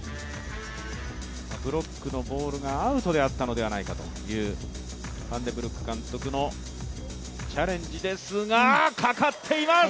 ブロックのボールがアウトではあったのではないかというファンデブルック監督のチャレンジですが、かかっています。